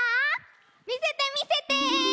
みせてみせて！